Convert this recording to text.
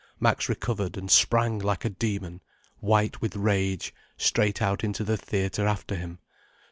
Max recovered and sprang like a demon, white with rage, straight out into the theatre after him.